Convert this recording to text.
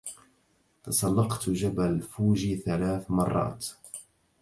تسلقتُ جبل فوجي ثلاث مرات.